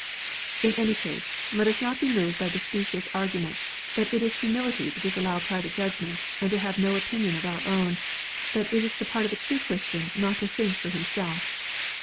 In any case let us not be moved by the specious argument, that it is humility to disallow private judgment, and to have no opinion of our own, that it is the part of a true Christian not to think for himself